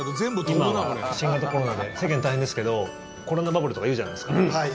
今は新型コロナで世間、大変ですけどコロナバブルとか言うじゃないですか。